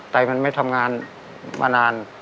แต่มันไม่ทำงานมานาน